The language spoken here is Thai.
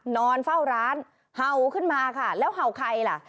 นอนเฝ้าร้านเห่าขึ้นมาค่ะแล้วเห่าใครล่ะ